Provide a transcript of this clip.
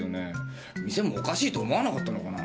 店もおかしいと思わなかったのかな